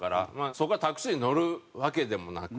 そこはタクシーに乗るわけでもなく。